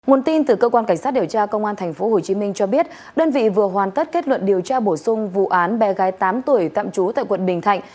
nguồn tin từ cơ quan cảnh sát điều tra công an tp hcm cho biết đơn vị vừa hoàn tất kết luận điều tra bổ sung vụ án bé gái tám tuổi tạm trú tại quận bình thạnh